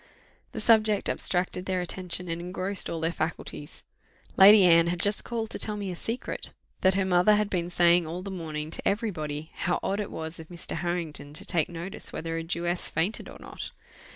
The subject abstracted their attention, and engrossed all their faculties. Lady Anne had just called to tell me a secret, that her mother had been saying all the morning to every body, how odd it was of Mr. Harrington to take notice whether a Jewess fainted or not.